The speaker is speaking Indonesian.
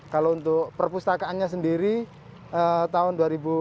kalau untuk perpustakaannya sendiri tahun dua ribu sebelas